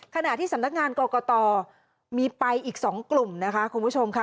ขณะที่สำนักงานกรกตมีไปอีก๒กลุ่มนะคะคุณผู้ชมค่ะ